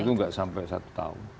waktu itu tidak sampai satu tahun